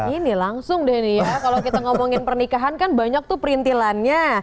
ini langsung deh nih ya kalau kita ngomongin pernikahan kan banyak tuh perintilannya